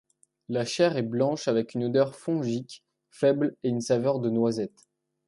La chair est blanche avec une odeur fongique faible et une saveur de noisette.